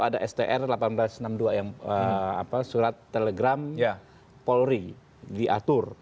ada str seribu delapan ratus enam puluh dua yang surat telegram polri diatur